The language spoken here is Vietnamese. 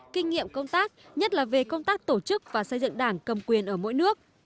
kinh nghiệm công tác nhất là về công tác tổ chức và xây dựng đảng cầm quyền ở mỗi nước